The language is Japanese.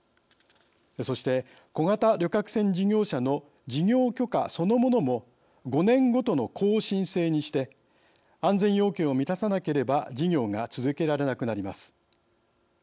そして、小型旅客船事業者の事業許可そのものも５年ごとの更新制にして安全要件を満たさなければ事業が続けられなくなります。